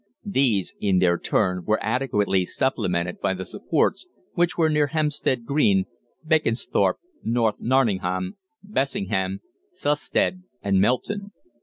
These, in their turn, were adequately supplemented by the supports, which were near Hempstead Green, Baconsthorpe, North Narningham, Bessingham, Sustead, and Melton.